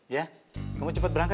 ya kamu cepat berangkat